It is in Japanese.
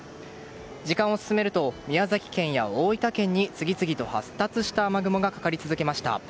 時間を進めると宮崎県や大分県に次々と発達した雨雲がかかり続けました。